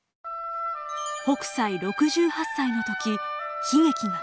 北斎６８歳の時悲劇が。